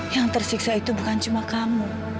yang tersiksa itu bukan cuma kamu